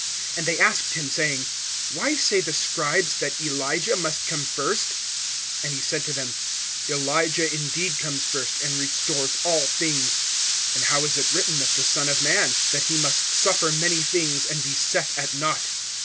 (11)And they asked him, saying: Why say the scribes that Elijah must first come? (12)And he said to them: Elijah indeed comes first, and restores all things. And how is it written of the Son of man? That he must suffer many things, and be set at naught.